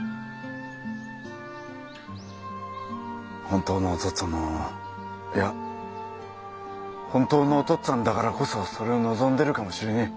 本当のお父っつぁんもいや本当のお父っつぁんだからこそそれを望んでるかもしれねえ。